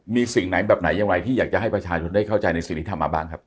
มีสิ่งไหนแบบไหนอย่างไรที่อยากจะให้ประชาชนได้เข้าใจในสิ่งที่ทำมาบ้างครับ